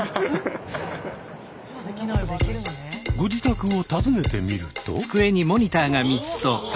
ご自宅を訪ねてみると。